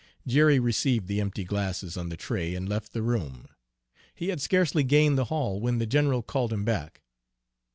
Jerry received the empty glasses on the tray and left the room. He had scarcely gained the hall when the general called him back.